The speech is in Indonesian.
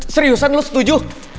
seriusan lo setuju